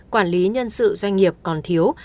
quản lý nhân sự doanh nghiệp còn thiếu